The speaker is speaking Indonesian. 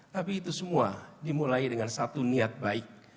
tapi itu semua dimulai dengan satu niat baik